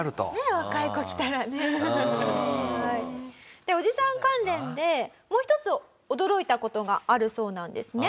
でおじさん関連でもう一つ驚いた事があるそうなんですね。